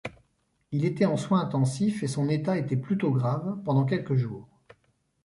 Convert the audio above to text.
Il était en soins intensifs et son état était plutôt grave pendant quelques jours.